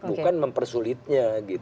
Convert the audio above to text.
bukan mempersulitnya gitu